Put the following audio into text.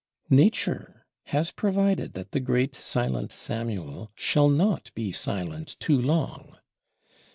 Nature has provided that the great silent Samuel shall not be silent too long.